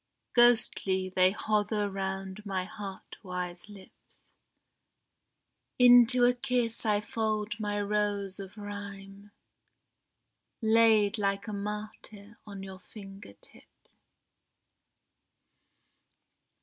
Ghostly they hover round my heart wise lips; Into a kiss I fold my rose of Rhyme, Laid like a martyr on your finger tips.